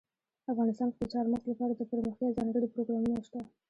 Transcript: افغانستان کې د چار مغز لپاره دپرمختیا ځانګړي پروګرامونه شته.